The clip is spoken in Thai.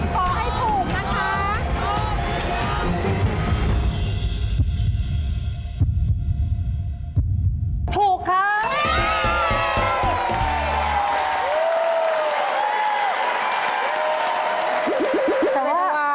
ถูกครับ